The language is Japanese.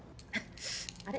あれ？